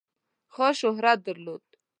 خاص شهرت درلود.